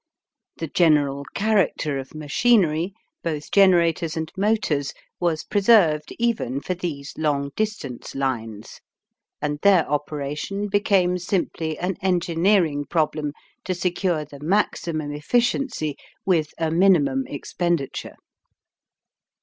The general character of machinery, both generators and motors, was preserved even for these long distance lines, and their operation became simply an engineering problem to secure the maximum efficiency with a minimum expenditure.